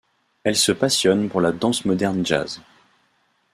Elle se passionne pour la danse moderne jazz.